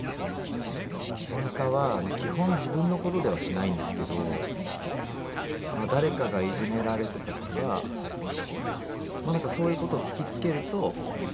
ケンカは基本自分の事ではしないんですけど誰かがいじめられていたとかそういう事を聞きつけると。